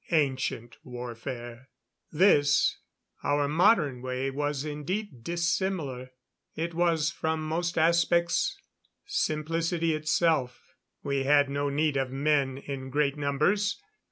Ancient warfare! This our modern way was indeed dissimilar. It was, from most aspects, simplicity itself. We had no need of men in great numbers.